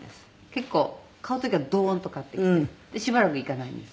結構買う時はドーンと買ってきてしばらく行かないんです。